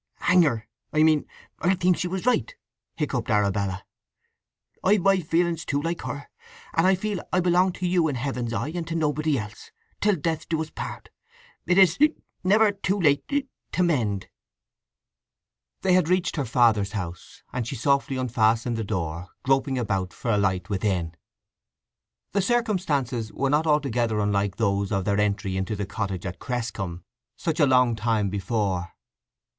"Hang her!—I mean, I think she was right," hiccuped Arabella. "I've my feelings too, like her; and I feel I belong to you in Heaven's eye, and to nobody else, till death us do part! It is—hic—never too late—hic to mend!" They had reached her father's house, and she softly unfastened the door, groping about for a light within. The circumstances were not altogether unlike those of their entry into the cottage at Cresscombe, such a long time before.